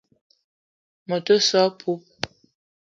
Me te so a poup.